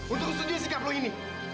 untuk setuju sikap lo ini